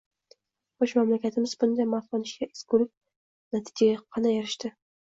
Xoʻsh, mamlakatimiz bunday maqtanishga arzigulik natijaga qanday erishdi?